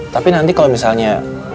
tapi nanti kalau misalnya